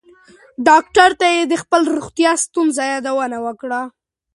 ډاکټر ته یې د خپلو روغتیایي ستونزو یادونه کړې وه.